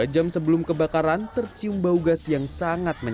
dua jam sebelum kebakaran tercium bau gas yang sangat menarik